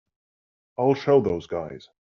I'll show those guys.